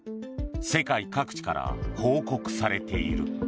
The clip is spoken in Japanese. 世界各地から報告されている。